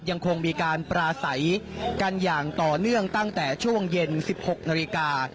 ยังคงมีการปราศัยกันอย่างต่อเนื่องตั้งแต่ช่วงเย็น๑๖นาฬิกา